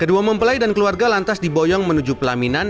kedua mempelai dan keluarga lantas diboyong menuju pelaminan